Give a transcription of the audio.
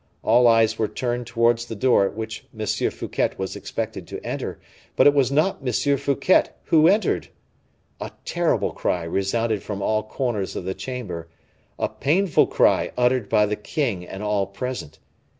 All eyes were turned towards the door at which M. Fouquet was expected to enter; but it was not M. Fouquet who entered. A terrible cry resounded from all corners of the chamber, a painful cry uttered by the king and all present.